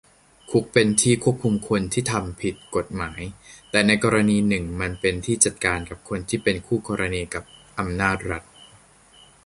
คุกเป็นที่ควบคุมคนที่ทำผิดกฎหมาย แต่ในอีกกรณีหนึ่งมันเป็นที่จัดการกับคนที่เป็นคู่กรณีกับอำนาจรัฐ